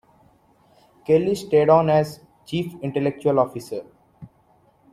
Kelley stayed on as "Chief Intellectual Officer".